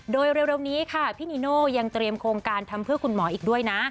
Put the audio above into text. โดยเร็วนี้ค่ะพี่นีโน่ยังเตรียมโครงการทำเพื่อคุณหมออีกด้วยนะ